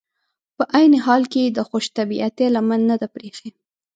په عین حال کې یې د خوش طبعیتي لمن نه ده پرېښي.